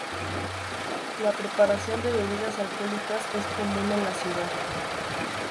La preparación de bebidas alcohólicas es común en la ciudad.